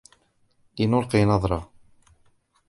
لنلقِ نظرة.